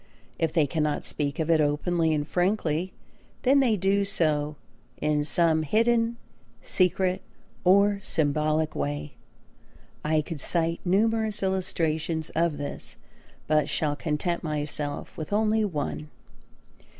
If they cannot speak of it openly and frankly then they do so in some hidden, secret, or symbolic way. I could cite numerous illustrations of this but shall content myself with only one.